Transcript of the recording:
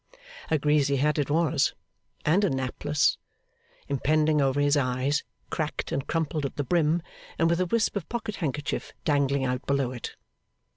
A greasy hat it was, and a napless; impending over his eyes, cracked and crumpled at the brim, and with a wisp of pocket handkerchief dangling out below it.